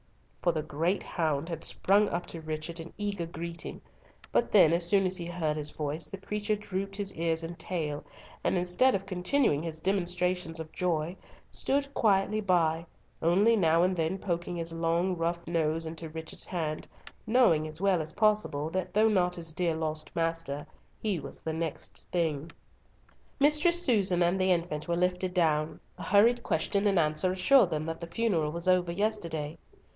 For the great hound had sprung up to Richard in eager greeting, but then, as soon as he heard his voice, the creature drooped his ears and tail, and instead of continuing his demonstrations of joy, stood quietly by, only now and then poking his long, rough nose into Richard's hand, knowing as well as possible that though not his dear lost master, he was the next thing! Mistress Susan and the infant were lifted down—a hurried question and answer assured them that the funeral was over yesterday.